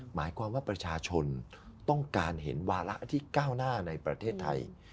หมายความว่าประชาชนต้องการเห็นวาระที่ก้าวหน้าในประเทศไทย